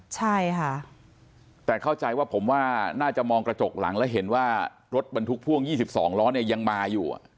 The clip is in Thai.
ใช่ค่ะแต่เข้าใจว่าผมว่าน่าจะมองกระจกหลังแล้วเห็นว่ารถบรรทุกพ่วง๒๒ล้อเนี่ยยังมาอยู่